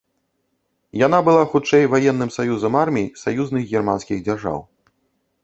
Яна была хутчэй ваенным саюзам армій саюзных германскіх дзяржаў.